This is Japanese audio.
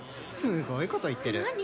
すごいこと言ってる何？